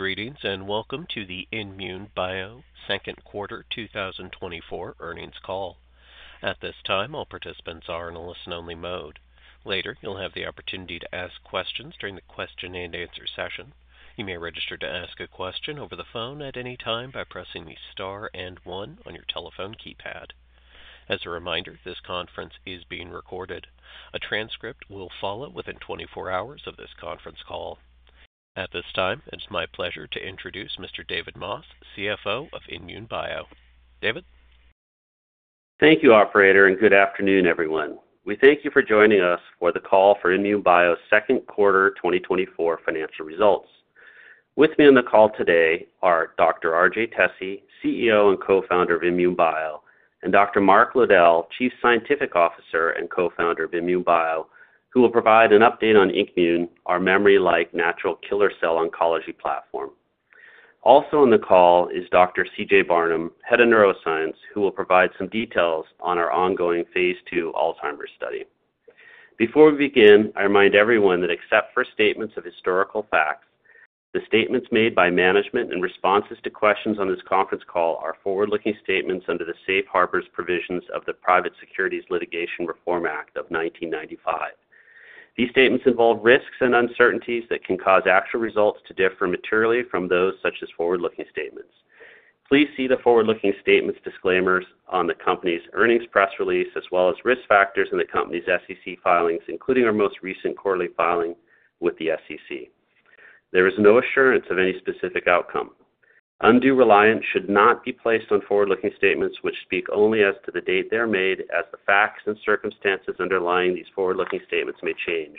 Greetings, and welcome to the INmune Bio second quarter 2024 earnings call. At this time, all participants are in a listen-only mode. Later, you'll have the opportunity to ask questions during the question-and-answer session. You may register to ask a question over the phone at any time by pressing the star and one on your telephone keypad. As a reminder, this conference is being recorded. A transcript will follow within 24 hours of this conference call. At this time, it's my pleasure to introduce Mr. David Moss, CFO of INmune Bio. David? Thank you, operator, and good afternoon, everyone. We thank you for joining us for the call for INmune Bio's second quarter 2024 financial results. With me on the call today are Dr. RJ Tesi, CEO and Co-Founder of INmune Bio, and Dr. Mark Lowdell, Chief Scientific Officer and Co-Founder of INmune Bio, who will provide an update on INKmune, our memory-like natural killer cell oncology platform. Also on the call is Dr. CJ Barnum, Head of Neuroscience, who will provide some details on our ongoing phase II Alzheimer's study. Before we begin, I remind everyone that except for statements of historical facts, the statements made by management and responses to questions on this conference call are forward-looking statements under the safe harbors provisions of the Private Securities Litigation Reform Act of 1995. These statements involve risks and uncertainties that can cause actual results to differ materially from those, such as forward-looking statements. Please see the forward-looking statements disclaimers on the company's earnings press release, as well as risk factors in the company's SEC filings, including our most recent quarterly filing with the SEC. There is no assurance of any specific outcome. Undue reliance should not be placed on forward-looking statements, which speak only as to the date they are made, as the facts and circumstances underlying these forward-looking statements may change.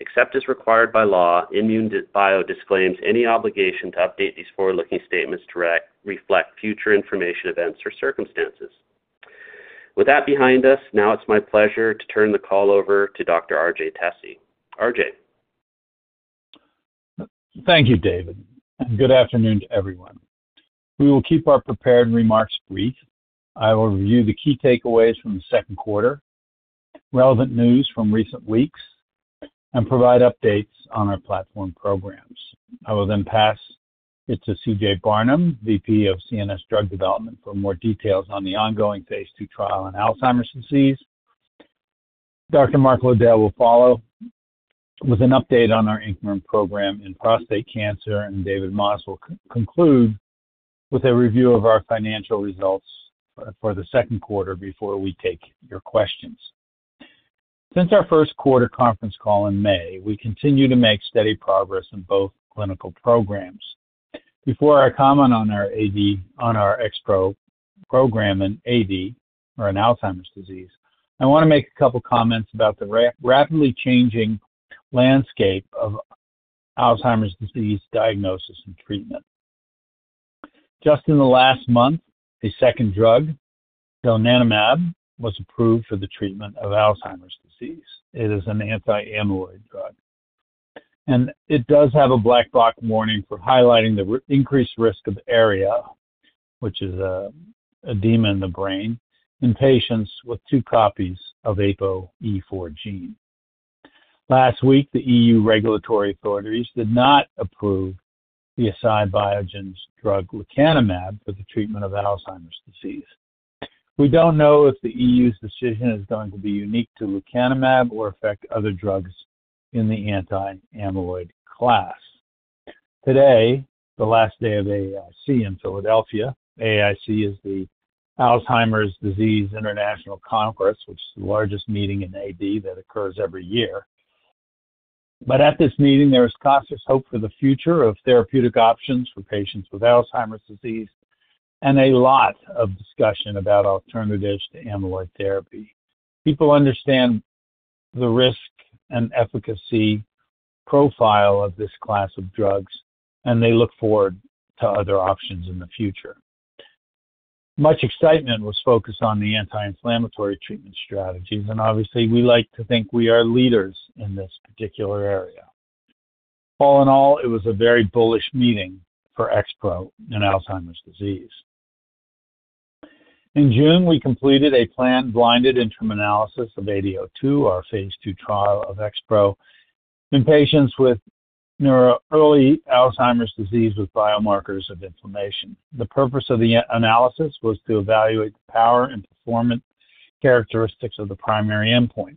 Except as required by law, INmune Bio disclaims any obligation to update these forward-looking statements to reflect future information, events, or circumstances. With that behind us, now it's my pleasure to turn the call over to Dr. R.J. Tesi. R.J.? Thank you, David, and good afternoon to everyone. We will keep our prepared remarks brief. I will review the key takeaways from the second quarter, relevant news from recent weeks, and provide updates on our platform programs. I will then pass it to CJ Barnum, VP of CNS Drug Development, for more details on the ongoing phase II trial on Alzheimer's disease. Dr. Mark Lowdell will follow with an update on our INKmune program in prostate cancer, and David Moss will conclude with a review of our financial results for the second quarter before we take your questions. Since our first quarter conference call in May, we continue to make steady progress in both clinical programs. Before I comment on our AD, on our XPro program in AD or in Alzheimer's disease, I want to make a couple comments about the rapidly changing landscape of Alzheimer's disease diagnosis and treatment. Just in the last month, a second drug, donanemab, was approved for the treatment of Alzheimer's disease. It is an anti-amyloid drug, and it does have a black box warning for highlighting the increased risk of ARIA, which is an edema in the brain, in patients with two copies of APOE4 gene. Last week, the E.U. regulatory authorities did not approve the Eisai Biogen's drug lecanemab for the treatment of Alzheimer's disease. We don't know if the E.U.'s decision is going to be unique to lecanemab or affect other drugs in the anti-amyloid class. Today, the last day of AAIC in Philadelphia, AAIC is the Alzheimer's Association International Conference, which is the largest meeting in AD that occurs every year. But at this meeting, there is cautious hope for the future of therapeutic options for patients with Alzheimer's disease and a lot of discussion about alternatives to amyloid therapy. People understand the risk and efficacy profile of this class of drugs, and they look forward to other options in the future. Much excitement was focused on the anti-inflammatory treatment strategies, and obviously, we like to think we are leaders in this particular area. All in all, it was a very bullish meeting for XPro in Alzheimer's disease. In June, we completed a planned blinded interim analysis of AD02, our phase II trial of XPro, in patients with neuro early Alzheimer's disease with biomarkers of inflammation. The purpose of the analysis was to evaluate the power and performance characteristics of the primary endpoint.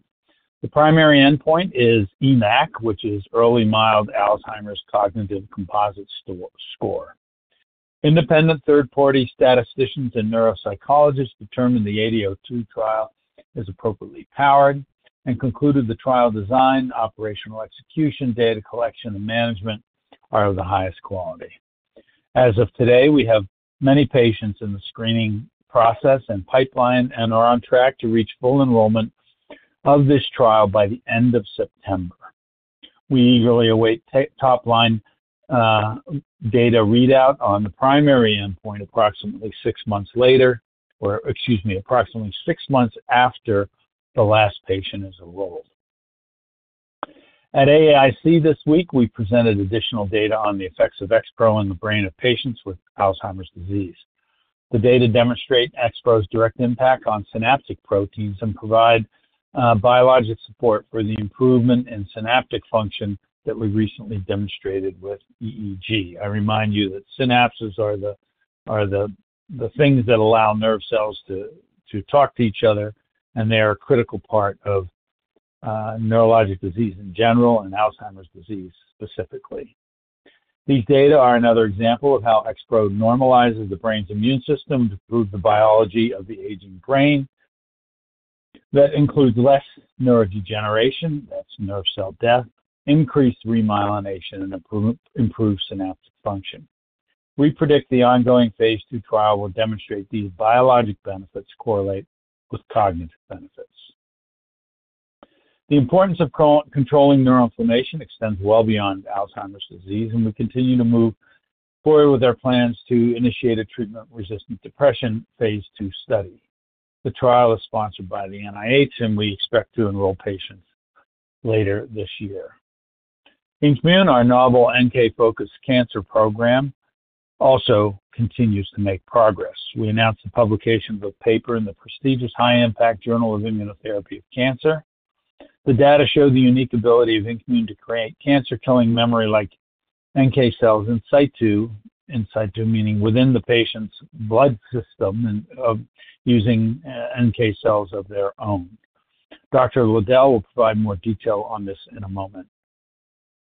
The primary endpoint is EMACC, which is Early Mild Alzheimer's Cognitive Composite Score. Independent third-party statisticians and neuropsychologists determined the AD02 trial is appropriately powered and concluded the trial design, operational execution, data collection, and management are of the highest quality. As of today, we have many patients in the screening process and pipeline and are on track to reach full enrollment of this trial by the end of September. We eagerly await top-line data readout on the primary endpoint approximately six months later, or excuse me, approximately six months after the last patient is enrolled. At AAIC this week, we presented additional data on the effects of XPro in the brain of patients with Alzheimer's disease. The data demonstrate XPro's direct impact on synaptic proteins and provide biologic support for the improvement in synaptic function that we recently demonstrated with EEG. I remind you that synapses are the things that allow nerve cells to talk to each other, and they are a critical part of neurologic disease in general and Alzheimer's disease specifically. These data are another example of how XPro normalizes the brain's immune system to improve the biology of the aging brain. That includes less neurodegeneration, that's nerve cell death, increased remyelination, and improved synaptic function. We predict the ongoing phase II trial will demonstrate these biologic benefits correlate with cognitive benefits. The importance of controlling neuroinflammation extends well beyond Alzheimer's disease, and we continue to move forward with our plans to initiate a treatment-resistant depression phase II study. The trial is sponsored by the NIH, and we expect to enroll patients later this year. INKmune, our novel NK-focused cancer program also continues to make progress. We announced the publication of a paper in the prestigious high-impact Journal for Immunotherapy of Cancer. The data show the unique ability of INKmune to create cancer-killing memory like NK cells in situ, in situ meaning within the patient's blood system, and using NK cells of their own. Dr. Lowdell will provide more detail on this in a moment.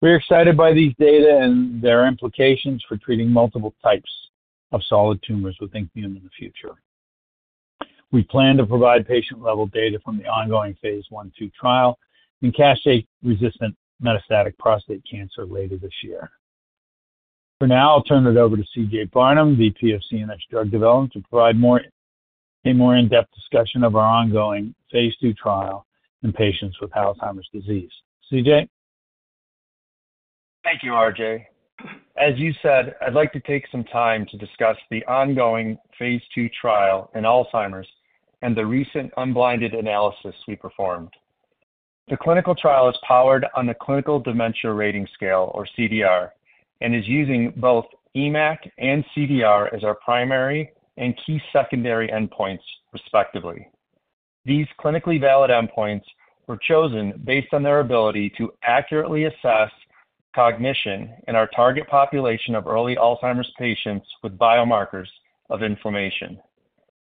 We are excited by these data and their implications for treating multiple types of solid tumors with INKmune in the future. We plan to provide patient-level data from the ongoing Phase I, II trial in castrate-resistant metastatic prostate cancer later this year. For now, I'll turn it over to CJ Barnum, VP of CNS Drug Development, to provide a more in-depth discussion of our ongoing phase II trial in patients with Alzheimer's disease. CJ? Thank you, RJ. As you said, I'd like to take some time to discuss the ongoing phase II trial in Alzheimer's and the recent unblinded analysis we performed. The clinical trial is powered on the Clinical Dementia Rating Scale, or CDR, and is using both EMACC and CDR as our primary and key secondary endpoints, respectively. These clinically valid endpoints were chosen based on their ability to accurately assess cognition in our target population of early Alzheimer's patients with biomarkers of inflammation.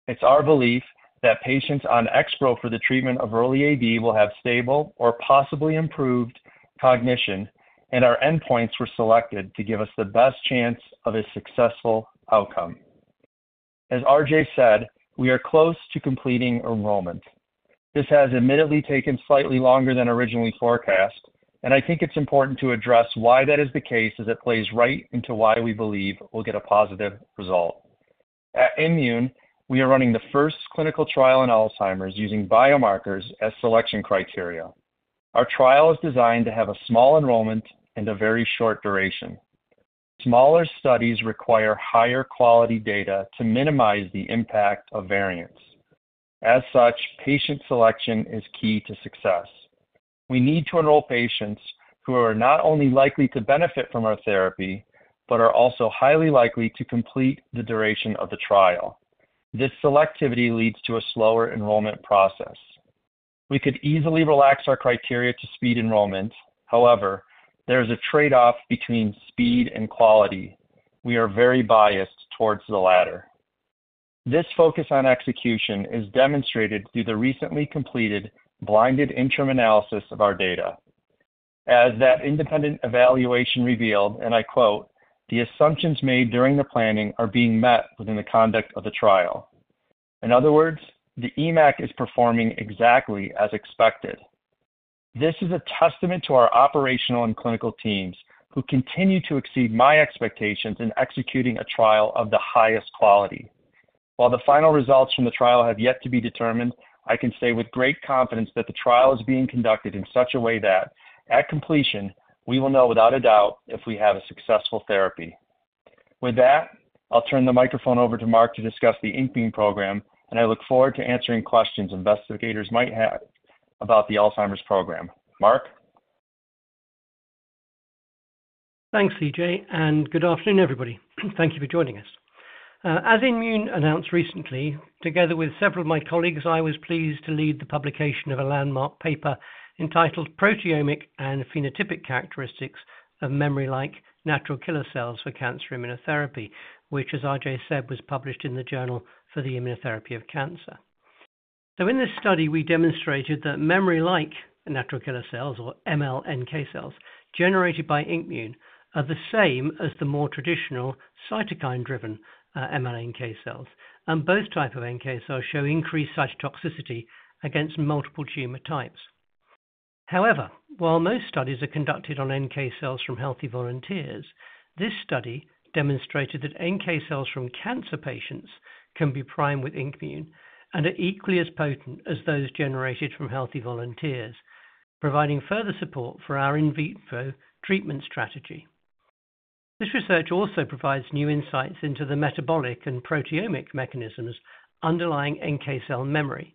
It's our belief that patients on XPro for the treatment of early AD will have stable or possibly improved cognition, and our endpoints were selected to give us the best chance of a successful outcome. As RJ said, we are close to completing enrollment. This has admittedly taken slightly longer than originally forecast, and I think it's important to address why that is the case, as it plays right into why we believe we'll get a positive result. At INmune, we are running the first clinical trial in Alzheimer's using biomarkers as selection criteria. Our trial is designed to have a small enrollment and a very short duration. Smaller studies require higher quality data to minimize the impact of variance. As such, patient selection is key to success. We need to enroll patients who are not only likely to benefit from our therapy, but are also highly likely to complete the duration of the trial. This selectivity leads to a slower enrollment process. We could easily relax our criteria to speed enrollment. However, there is a trade-off between speed and quality. We are very biased towards the latter. This focus on execution is demonstrated through the recently completed blinded interim analysis of our data. As that independent evaluation revealed, and I quote, "The assumptions made during the planning are being met within the conduct of the trial." In other words, the EMACC is performing exactly as expected. This is a testament to our operational and clinical teams, who continue to exceed my expectations in executing a trial of the highest quality. While the final results from the trial have yet to be determined, I can say with great confidence that the trial is being conducted in such a way that at completion, we will know without a doubt if we have a successful therapy. With that, I'll turn the microphone over to Mark to discuss the INKmune program, and I look forward to answering questions investigators might have about the Alzheimer's program. Mark? Thanks, CJ, and good afternoon, everybody. Thank you for joining us. As INmune announced recently, together with several of my colleagues, I was pleased to lead the publication of a landmark paper entitled Proteomic and Phenotypic Characteristics of Memory-like Natural Killer Cells for Cancer Immunotherapy, which, as RJ said, was published in the Journal for the Immunotherapy of Cancer. So in this study, we demonstrated that memory-like natural killer cells, or MLNK cells, generated by INmune are the same as the more traditional cytokine-driven MLNK cells, and both type of NK cells show increased cytotoxicity against multiple tumor types. However, while most studies are conducted on NK cells from healthy volunteers, this study demonstrated that NK cells from cancer patients can be primed with INmune and are equally as potent as those generated from healthy volunteers, providing further support for our in vitro treatment strategy. This research also provides new insights into the metabolic and proteomic mechanisms underlying NK cell memory,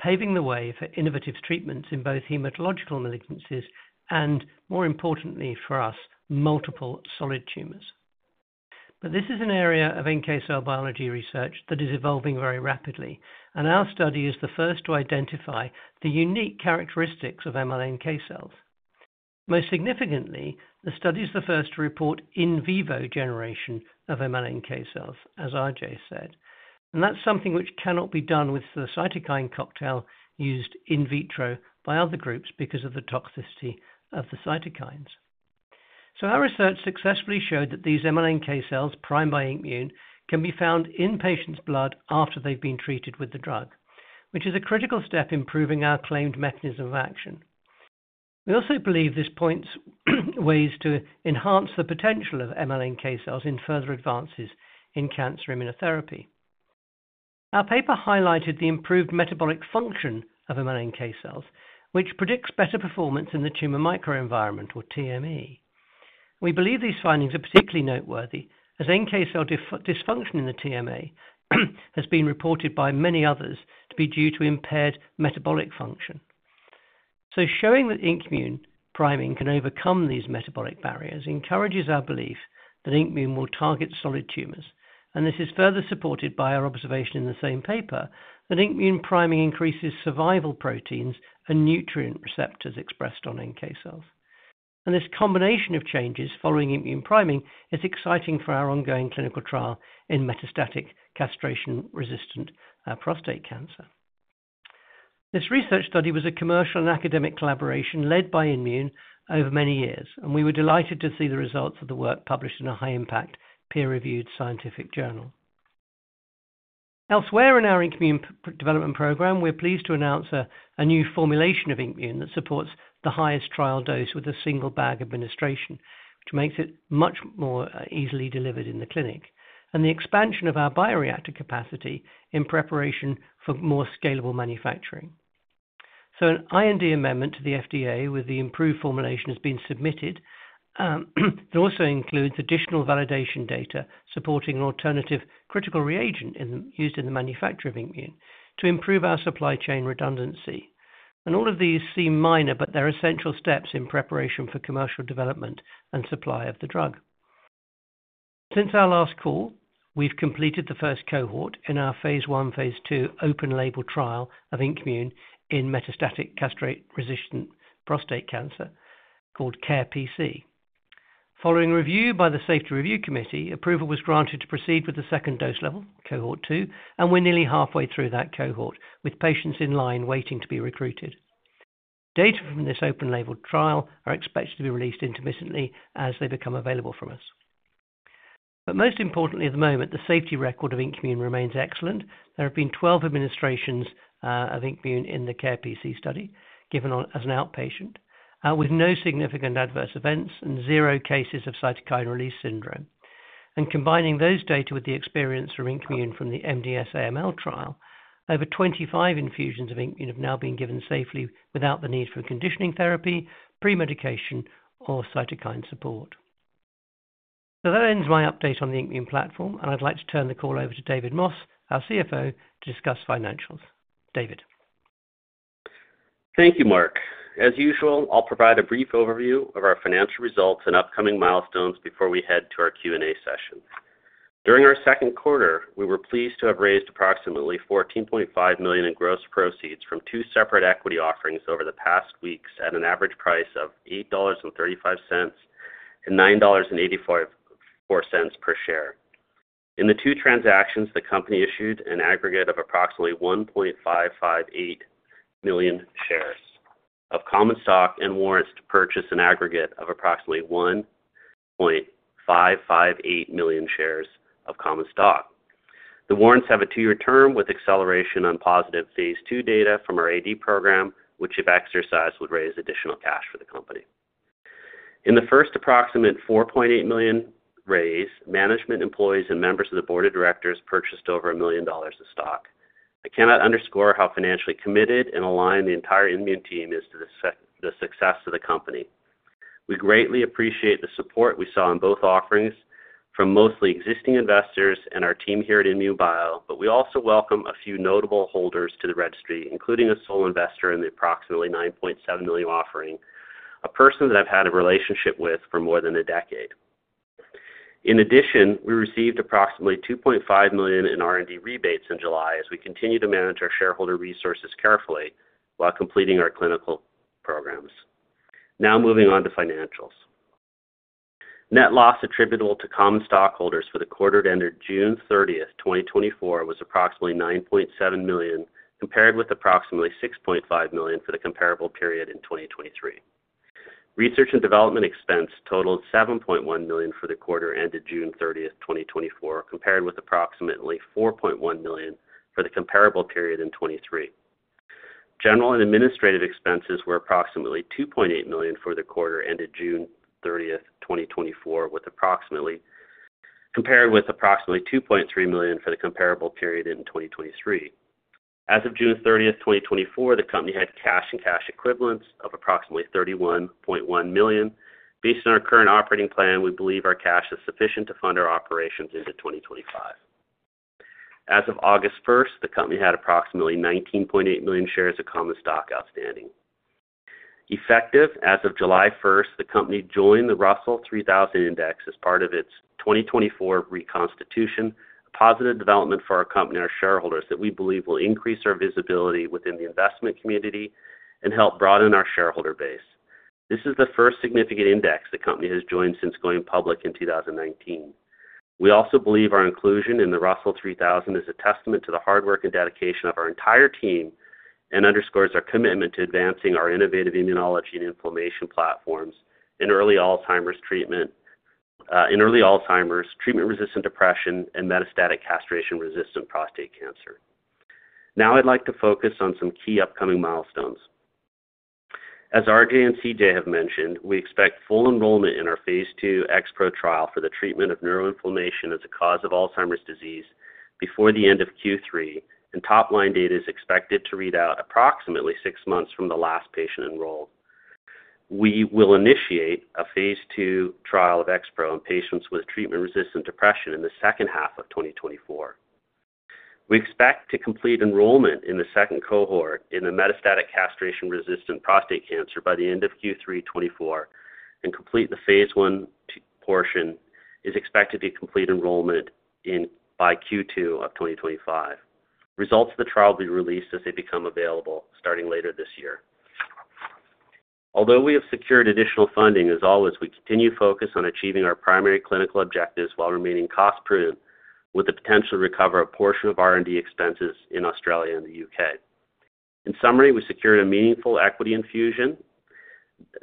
paving the way for innovative treatments in both hematological malignancies and, more importantly for us, multiple solid tumors. But this is an area of NK cell biology research that is evolving very rapidly, and our study is the first to identify the unique characteristics of MLNK cells. Most significantly, the study is the first to report in vivo generation of MLNK cells, as RJ said, and that's something which cannot be done with the cytokine cocktail used in vitro by other groups because of the toxicity of the cytokines. So our research successfully showed that these MLNK cells, primed by INmune, can be found in patients' blood after they've been treated with the drug, which is a critical step in proving our claimed mechanism of action. We also believe this points ways to enhance the potential of MLNK cells in further advances in cancer immunotherapy. Our paper highlighted the improved metabolic function of MLNK cells, which predicts better performance in the tumor microenvironment, or TME. We believe these findings are particularly noteworthy, as NK cell dysfunction in the TME has been reported by many others to be due to impaired metabolic function. So showing that INKmune priming can overcome these metabolic barriers encourages our belief that INKmune will target solid tumors, and this is further supported by our observation in the same paper, that INKmune priming increases survival proteins and nutrient receptors expressed on NK cells. And this combination of changes following immune priming is exciting for our ongoing clinical trial in metastatic castration-resistant prostate cancer. This research study was a commercial and academic collaboration led by INmune over many years, and we were delighted to see the results of the work published in a high-impact, peer-reviewed scientific journal. Elsewhere in our INmune product development program, we're pleased to announce a new formulation of INmune that supports the highest trial dose with a single bag administration, which makes it much more easily delivered in the clinic, and the expansion of our bioreactor capacity in preparation for more scalable manufacturing. So an IND amendment to the FDA with the improved formulation has been submitted. It also includes additional validation data supporting an alternative critical reagent used in the manufacture of INmune to improve our supply chain redundancy. And all of these seem minor, but they're essential steps in preparation for commercial development and supply of the drug. Since our last call, we've completed the first cohort in our phase I, phase II open-label trial of INKmune in metastatic castrate-resistant prostate cancer, called CARE-PC. Following review by the Safety Review Committee, approval was granted to proceed with the second dose level, cohort 2, and we're nearly halfway through that cohort, with patients in line waiting to be recruited. Data from this open-label trial are expected to be released intermittently as they become available from us. But most importantly, at the moment, the safety record of INKmune remains excellent. There have been 12 administrations of INKmune in the CARE-PC study, given on as an outpatient, with no significant adverse events and zero cases of cytokine release syndrome. Combining those data with the experience from INKmune, from the MDS-AML trial, over 25 infusions of INKmune have now been given safely without the need for conditioning therapy, pre-medication, or cytokine support. So that ends my update on the INKmune platform, and I'd like to turn the call over to David Moss, our CFO, to discuss financials. David? Thank you, Mark. As usual, I'll provide a brief overview of our financial results and upcoming milestones before we head to our Q&A session. During our second quarter, we were pleased to have raised approximately $14.5 million in gross proceeds from two separate equity offerings over the past weeks at an average price of $8.35 and $9.84 per share. In the two transactions, the company issued an aggregate of approximately 1.558 million shares of common stock and warrants to purchase an aggregate of approximately 1.558 million shares of common stock. The warrants have a 2-year term with acceleration on positive phase II data from our AD program, which if exercised, would raise additional cash for the company. In the first approximate $4.8 million raise, management employees and members of the board of directors purchased over $1 million of stock. I cannot underscore how financially committed and aligned the entire Immune team is to the success of the company. We greatly appreciate the support we saw in both offerings from mostly existing investors and our team here at INmune Bio, but we also welcome a few notable holders to the registry, including a sole investor in the approximately $9.7 million offering, a person that I've had a relationship with for more than a decade. In addition, we received approximately $2.5 million in R&D rebates in July as we continue to manage our shareholder resources carefully while completing our clinical programs. Now moving on to financials. Net loss attributable to common stockholders for the quarter ended June 30, 2024, was approximately $9.7 million, compared with approximately $6.5 million for the comparable period in 2023. Research and development expense totaled $7.1 million for the quarter ended June 30, 2024, compared with approximately $4.1 million for the comparable period in 2023. General and administrative expenses were approximately $2.8 million for the quarter ended June 30, 2024, compared with approximately $2.3 million for the comparable period in 2023. As of June 30, 2024, the company had cash and cash equivalents of approximately $31.1 million. Based on our current operating plan, we believe our cash is sufficient to fund our operations into 2025. As of August 1st, the company had approximately 19.8 million shares of common stock outstanding. Effective as of July 1st, the company joined the Russell 3000 Index as part of its 2024 reconstitution, a positive development for our company and our shareholders that we believe will increase our visibility within the investment community and help broaden our shareholder base. This is the first significant index the company has joined since going public in 2019. We also believe our inclusion in the Russell 3000 is a testament to the hard work and dedication of our entire team and underscores our commitment to advancing our innovative immunology and inflammation platforms in early Alzheimer's treatment, in early Alzheimer's, treatment-resistant depression, and metastatic castration-resistant prostate cancer. Now I'd like to focus on some key upcoming milestones. As RJ and CJ have mentioned, we expect full enrollment in our phase II XPro trial for the treatment of neuroinflammation as a cause of Alzheimer's disease before the end of Q3, and top-line data is expected to read out approximately 6 months from the last patient enrolled. We will initiate a phase II trial of XPro in patients with treatment-resistant depression in the second half of 2024. We expect to complete enrollment in the second cohort in the metastatic castration-resistant prostate cancer by the end of Q3 2024, and complete the phase I portion is expected to complete enrollment in by Q2 of 2025. Results of the trial will be released as they become available, starting later this year. Although we have secured additional funding, as always, we continue to focus on achieving our primary clinical objectives while remaining cost-prudent, with the potential to recover a portion of R&D expenses in Australia and the U.K. In summary, we secured a meaningful equity infusion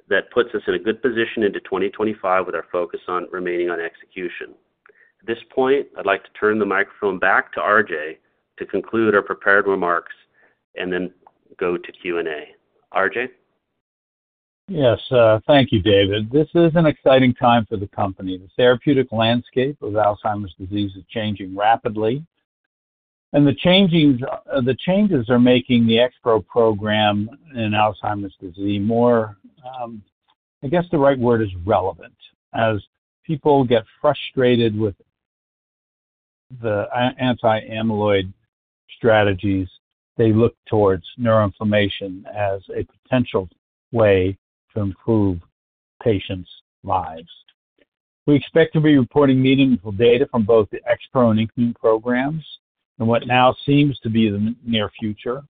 that puts us in a good position into 2025, with our focus on remaining on execution. At this point, I'd like to turn the microphone back to RJ to conclude our prepared remarks and then go to Q&A. RJ? Yes, thank you, David. This is an exciting time for the company. The therapeutic landscape of Alzheimer's disease is changing rapidly, and the changes are making the XPro program in Alzheimer's disease more, I guess the right word is relevant. As people get frustrated with the anti-amyloid strategies, they look towards neuroinflammation as a potential way to improve patients' lives. We expect to be reporting meaningful data from both the XPro and INKmune programs in what now seems to be the near future.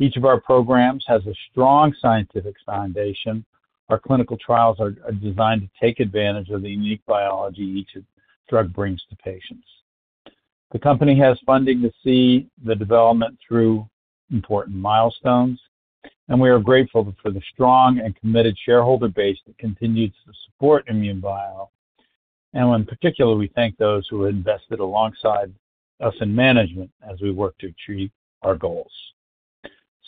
Each of our programs has a strong scientific foundation. Our clinical trials are designed to take advantage of the unique biology each drug brings to patients. The company has funding to see the development through important milestones, and we are grateful for the strong and committed shareholder base that continues to support INmune Bio. In particular, we thank those who have invested alongside us in management as we work to achieve our goals.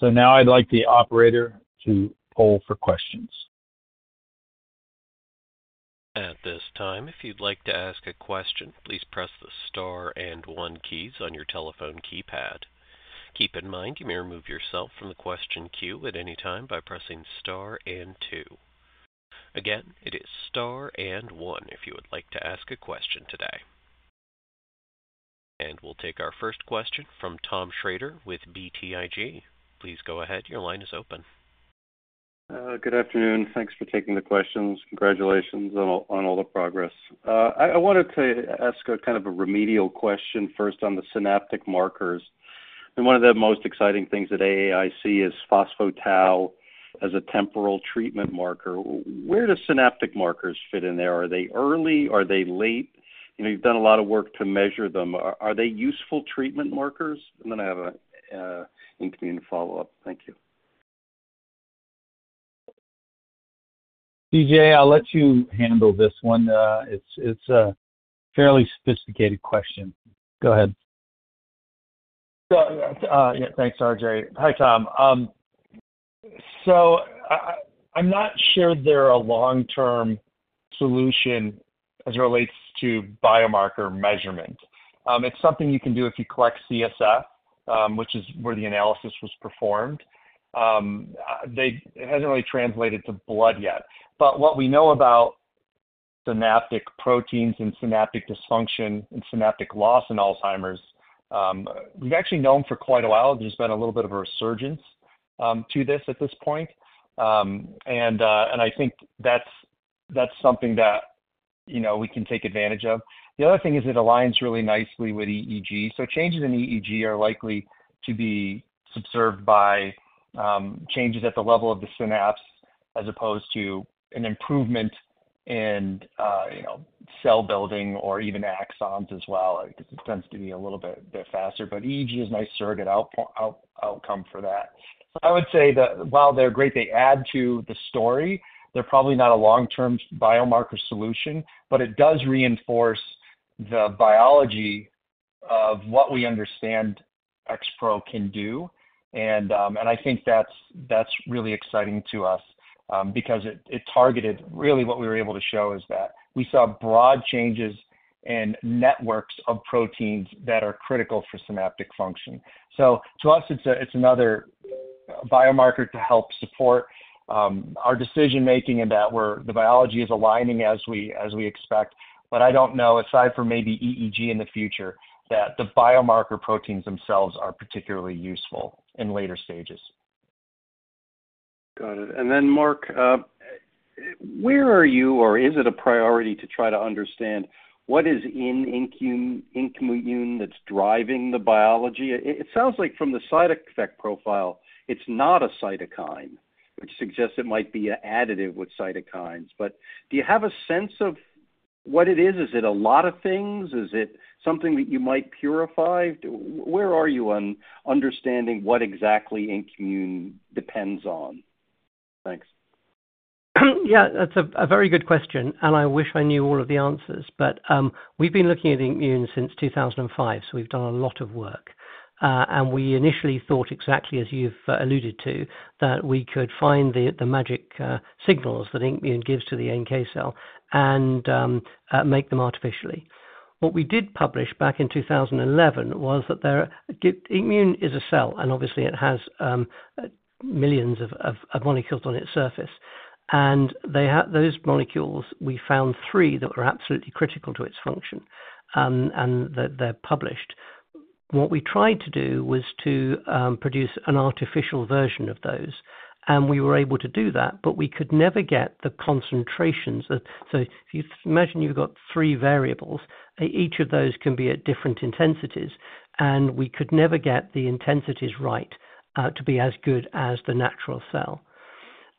Now I'd like the operator to poll for questions. At this time, if you'd like to ask a question, please press the star and one keys on your telephone keypad. Keep in mind, you may remove yourself from the question queue at any time by pressing star and two. Again, it is star and one if you would like to ask a question today. We'll take our first question from Tom Shrader with BTIG. Please go ahead. Your line is open. Good afternoon. Thanks for taking the questions. Congratulations on all, on all the progress. I wanted to ask a kind of a remedial question first on the synaptic markers. And one of the most exciting things at AAIC is phospho-tau as a temporal treatment marker. Where do synaptic markers fit in there? Are they early? Are they late? You know, you've done a lot of work to measure them. Are they useful treatment markers? And then I have a INmune follow-up. Thank you. CJ, I'll let you handle this one. It's a fairly sophisticated question. Go ahead. So, yeah, thanks, RJ. Hi, Tom. So I'm not sure they're a long-term solution as it relates to biomarker measurement. It's something you can do if you collect CSF, which is where the analysis was performed. It hasn't really translated to blood yet, but what we know about synaptic proteins and synaptic dysfunction and synaptic loss in Alzheimer's, we've actually known for quite a while. There's been a little bit of a resurgence to this at this point. And I think that's something that, you know, we can take advantage of. The other thing is it aligns really nicely with EEG. So changes in EEG are likely to be subserved by, changes at the level of the synapse, as opposed to an improvement in, you know, cell building or even axons as well, because it tends to be a little bit faster. But EEG is a nice surrogate outcome for that. So I would say that while they're great, they add to the story, they're probably not a long-term biomarker solution, but it does reinforce the biology of what we understand XPro can do. And, and I think that's really exciting to us, because it targeted... Really what we were able to show is that we saw broad changes in networks of proteins that are critical for synaptic function. So to us, it's another... biomarker to help support our decision making and that where the biology is aligning as we expect. But I don't know, aside from maybe EEG in the future, that the biomarker proteins themselves are particularly useful in later stages. Got it. And then, Mark, where are you or is it a priority to try to understand what is in INmune, INmune that's driving the biology? It, it sounds like from the side effect profile, it's not a cytokine, which suggests it might be additive with cytokines. But do you have a sense of what it is? Is it a lot of things? Is it something that you might purify? Where are you on understanding what exactly INmune depends on? Thanks. Yeah, that's a very good question, and I wish I knew all of the answers. But, we've been looking at INmune since 2005, so we've done a lot of work. And we initially thought exactly as you've alluded to, that we could find the the magic signals that INmune gives to the NK cell and make them artificially. What we did publish back in 2011 was that there, INmune is a cell, and obviously it has millions of molecules on its surface, and they have. Those molecules, we found three that were absolutely critical to its function, and they're published. What we tried to do was to produce an artificial version of those, and we were able to do that, but we could never get the concentrations. So if you imagine you've got three variables, each of those can be at different intensities, and we could never get the intensities right to be as good as the natural cell.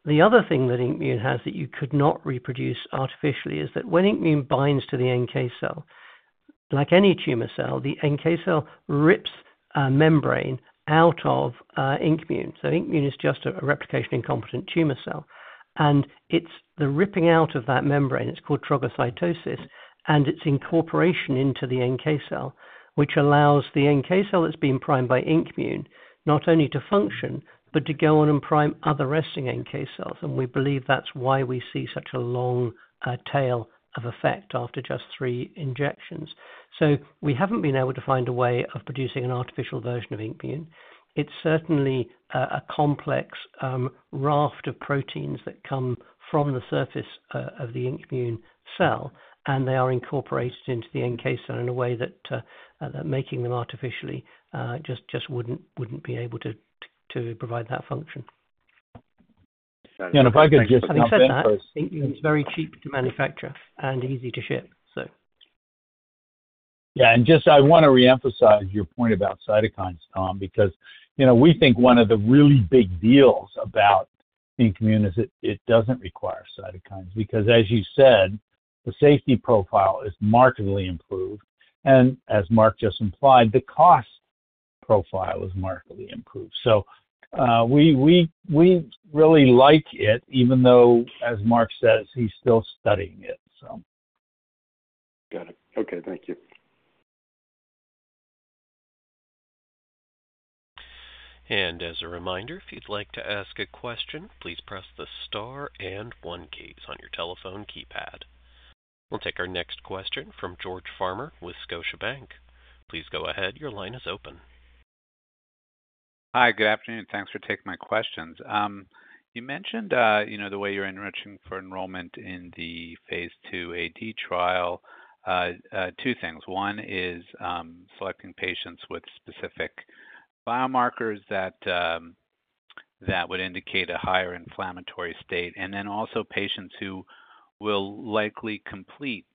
The other thing that INKmune has that you could not reproduce artificially is that when INKmune binds to the NK cell, like any tumor cell, the NK cell rips a membrane out of INKmune. So INKmune is just a replication incompetent tumor cell, and it's the ripping out of that membrane, it's called trogocytosis, and its incorporation into the NK cell, which allows the NK cell that's been primed by INKmune, not only to function, but to go on and prime other resting NK cells. And we believe that's why we see such a long tail of effect after just three injections. So we haven't been able to find a way of producing an artificial version of INKmune. It's certainly a complex raft of proteins that come from the surface of the INKmune cell, and they are incorporated into the NK cell in a way that making them artificially just wouldn't be able to provide that function. And if I could just jump in- Having said that, it's very cheap to manufacture and easy to ship, so. Yeah, and just I want to reemphasize your point about cytokines, Tom, because, you know, we think one of the really big deals about INmune is it doesn't require cytokines, because as you said, the safety profile is markedly improved, and as Mark just implied, the cost profile is markedly improved. So, we really like it, even though, as Mark says, he's still studying it, so. Got it. Okay, thank you. As a reminder, if you'd like to ask a question, please press the star and one keys on your telephone keypad. We'll take our next question from George Farmer with Scotiabank. Please go ahead. Your line is open. Hi, good afternoon. Thanks for taking my questions. You mentioned, you know, the way you're enriching for enrollment in the phase II AD trial, two things. One is, selecting patients with specific biomarkers that, that would indicate a higher inflammatory state, and then also patients who will likely complete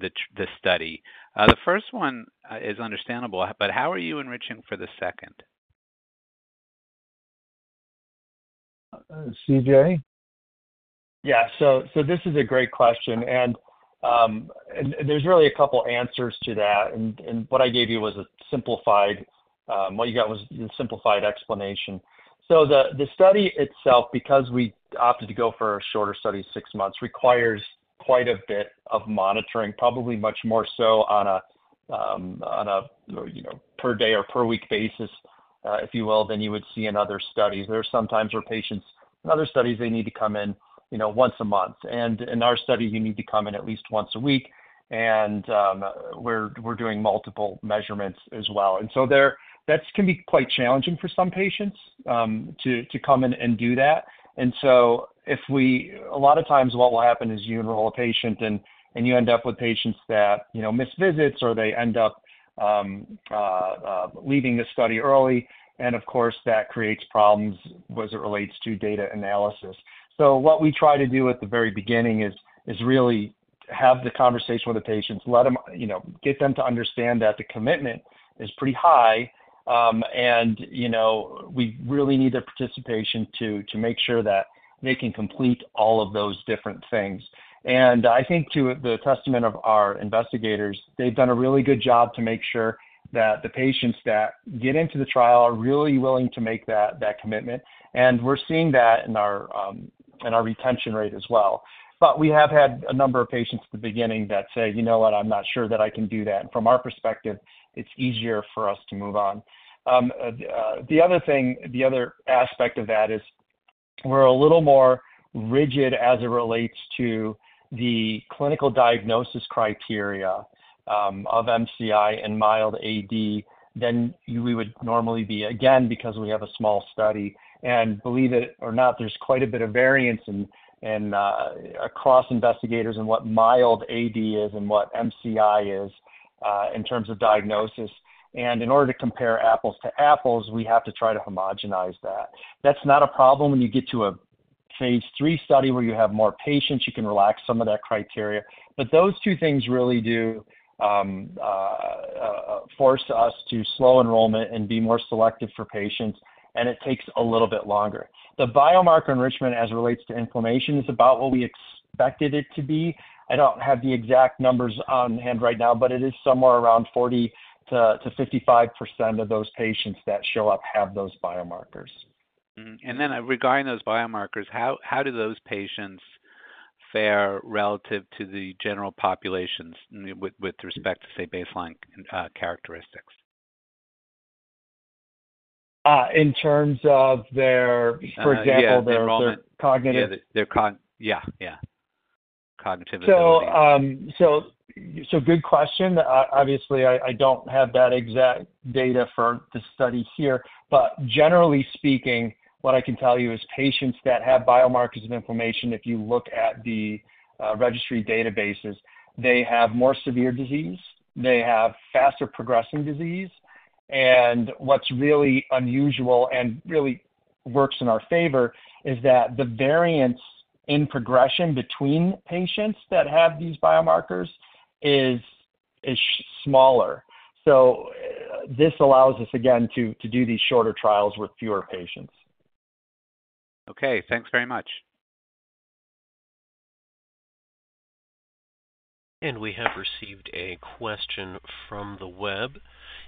this study. The first one is understandable, but how are you enriching for the second? Uh, CJ? Yeah. So, so this is a great question, and, and there's really a couple answers to that. And what I gave you was a simplified, what you got was a simplified explanation. So the study itself, because we opted to go for a shorter study, six months, requires quite a bit of monitoring, probably much more so on a, you know, per day or per week basis, if you will, than you would see in other studies. There are some times where patients in other studies, they need to come in, you know, once a month. And in our study, you need to come in at least once a week, and we're doing multiple measurements as well. That's gonna be quite challenging for some patients, to come in and do that. A lot of times what will happen is you enroll a patient and you end up with patients that, you know, miss visits or they end up leaving the study early, and of course, that creates problems as it relates to data analysis. So what we try to do at the very beginning is really have the conversation with the patients, let them, you know, get them to understand that the commitment is pretty high, and you know, we really need their participation to make sure that they can complete all of those different things. I think to the testament of our investigators, they've done a really good job to make sure that the patients that get into the trial are really willing to make that commitment, and we're seeing that in our retention rate as well. We have had a number of patients at the beginning that say, "You know what? I'm not sure that I can do that." From our perspective, it's easier for us to move on. The other thing, the other aspect of that is we're a little more rigid as it relates to the clinical diagnosis criteria of MCI and mild AD than we would normally be. Again, because we have a small study, and believe it or not, there's quite a bit of variance in across investigators in what mild AD is and what MCI is in terms of diagnosis. In order to compare apples to apples, we have to try to homogenize that. That's not a problem when you get to a phase III study where you have more patients, you can relax some of that criteria. But those two things really do force us to slow enrollment and be more selective for patients, and it takes a little bit longer. The biomarker enrichment as it relates to inflammation is about what we expected it to be. I don't have the exact numbers on hand right now, but it is somewhere around 40%-55% of those patients that show up have those biomarkers. Mm-hmm. And then regarding those biomarkers, how do those patients fare relative to the general populations with respect to, say, baseline characteristics? In terms of their, for example- Yeah, the enrollment. Their cognitive- Yeah, their yeah, yeah, cognitively. So, good question. Obviously, I don't have that exact data for the study here, but generally speaking, what I can tell you is patients that have biomarkers of inflammation, if you look at the registry databases, they have more severe disease, they have faster progressing disease. And what's really unusual and really works in our favor is that the variance in progression between patients that have these biomarkers is smaller. So this allows us, again, to do these shorter trials with fewer patients. Okay, thanks very much. We have received a question from the web.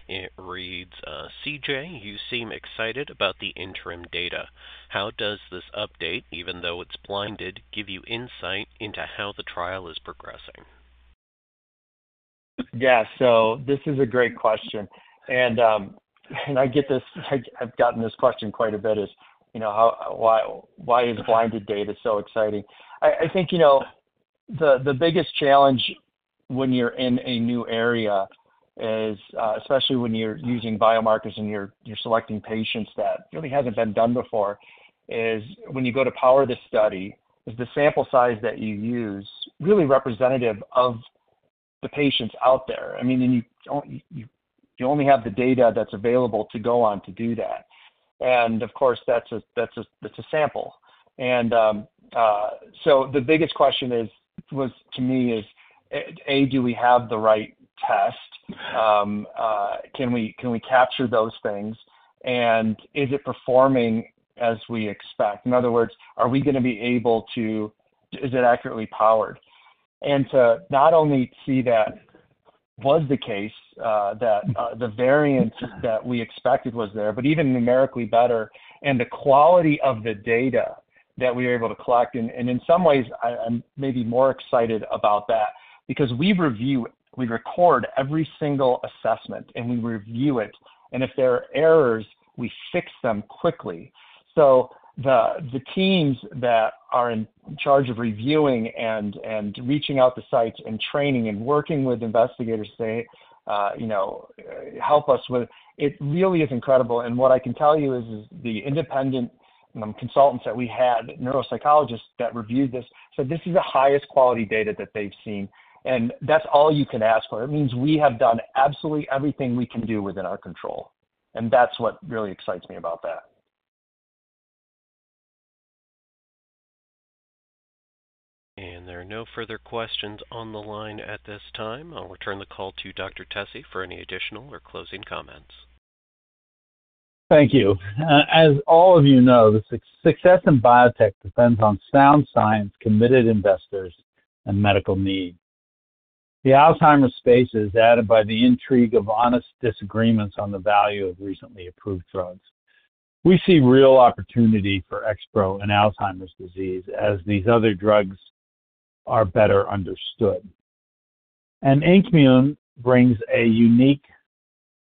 It reads, "CJ, you seem excited about the interim data. How does this update, even though it's blinded, give you insight into how the trial is progressing? Yeah, so this is a great question, and I get this—I've gotten this question quite a bit, you know, how, why is blinded data so exciting? I think, you know, the biggest challenge when you're in a new area is, especially when you're using biomarkers and you're selecting patients that really hasn't been done before, is when you go to power this study, the sample size that you use is really representative of the patients out there. I mean, and you don't, you only have the data that's available to go on to do that. And of course, that's a sample. So the biggest question to me is, A, do we have the right test? Can we capture those things? And is it performing as we expect? In other words, are we gonna be able to—is it accurately powered? And to not only see that was the case, the variance that we expected was there, but even numerically better, and the quality of the data that we were able to collect. And in some ways, I'm maybe more excited about that because we review... we record every single assessment, and we review it, and if there are errors, we fix them quickly. So the teams that are in charge of reviewing and reaching out to sites and training and working with investigators, say, you know, help us with it really is incredible. And what I can tell you is the independent consultants that we had, neuropsychologists that reviewed this, said this is the highest quality data that they've seen, and that's all you can ask for. It means we have done absolutely everything we can do within our control, and that's what really excites me about that. There are no further questions on the line at this time. I'll return the call to Dr. Tesi for any additional or closing comments. Thank you. As all of you know, the success in biotech depends on sound science, committed investors, and medical need. The Alzheimer's space is added by the intrigue of honest disagreements on the value of recently approved drugs. We see real opportunity for XPro in Alzheimer's disease as these other drugs are better understood. And INKmune brings a unique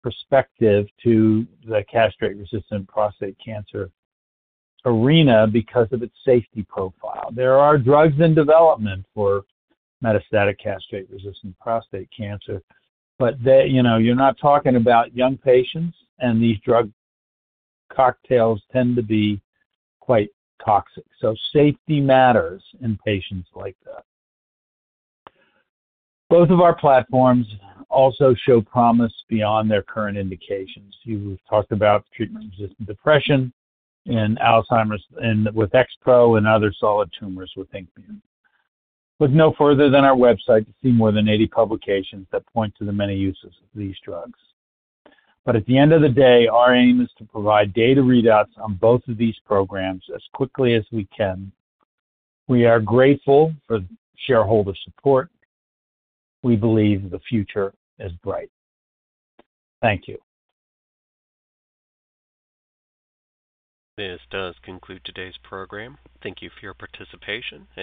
perspective to the castration-resistant prostate cancer arena because of its safety profile. There are drugs in development for metastatic castration-resistant prostate cancer, but they, you know, you're not talking about young patients, and these drug cocktails tend to be quite toxic. So safety matters in patients like that. Both of our platforms also show promise beyond their current indications. You talked about treatment-resistant depression and Alzheimer's, and with XPro and other solid tumors with INKmune. Look no further than our website to see more than 80 publications that point to the many uses of these drugs. But at the end of the day, our aim is to provide data readouts on both of these programs as quickly as we can. We are grateful for shareholder support. We believe the future is bright. Thank you. This does conclude today's program. Thank you for your participation, and you-